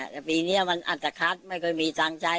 แต่ปีเนี่ยมันอันตราคัดไม่ค่อยมีทางใจ